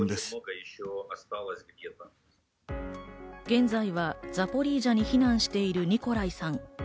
現在はザポリージャに避難しているニコライさん。